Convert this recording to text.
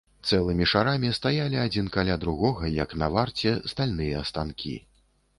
Цэлымі шарамі стаялі адзін каля другога, як на варце, стальныя станкі.